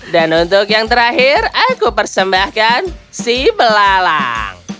dan untuk yang terakhir aku persembahkan si belalang